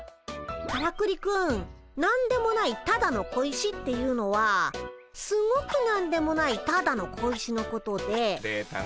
からくりくん何でもないただの小石っていうのはすごく何でもないただの小石のことで。